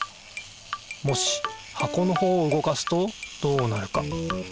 もし箱のほうを動かすとどうなるか？